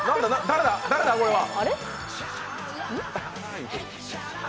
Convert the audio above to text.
誰だこれは。